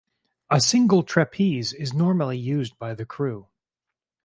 A single trapeze is normally used by the crew.